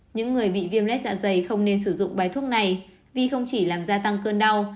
những người bị viêm lết dạ dày không nên sử dụng bài thuốc này vì không chỉ làm gia tăng cơn đau